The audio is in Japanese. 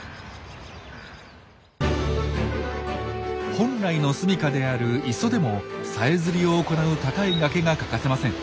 本来のすみかである磯でもさえずりを行う高い崖が欠かせません。